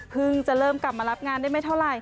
จะเริ่มกลับมารับงานได้ไม่เท่าไหร่